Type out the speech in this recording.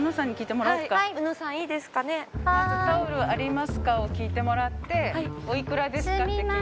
まずタオルありますかを聞いてもらっておいくらですかって聞いてください。